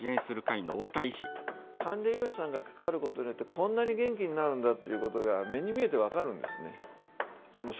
管理栄養士さんが関わることによってこんなに元気になるんだっていうことが目に見えて分かるんですね。